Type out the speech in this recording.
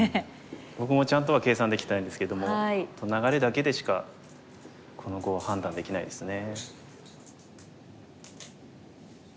僕もちゃんとは計算できてないんですけども流れだけでしかこの碁は判断できないですね。